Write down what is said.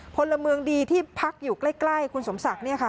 พลเมืองดีที่พักอยู่ใกล้คุณสมศักดิ์เนี่ยค่ะ